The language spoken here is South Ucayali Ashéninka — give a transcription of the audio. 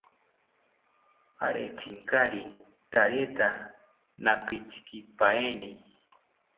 Arentzinkari rareta nampitzikipaeni